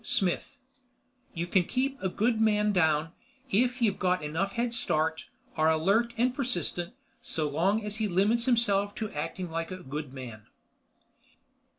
SMITH You can keep a good man down, if you've got enough headstart, are alert and persistent ... so long as he limits himself to acting like a good man....